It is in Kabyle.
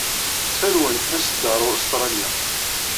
Ttxil-wen, aset-d ɣer Ustṛalya.